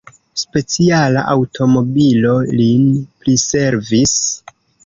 Speciala aŭtomobilo lin priservis.